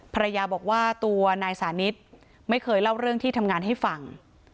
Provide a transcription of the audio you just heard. ภรรยาบอกว่าตัวนายสานิทไม่เคยเล่าเรื่องที่ทำงานให้ฟัง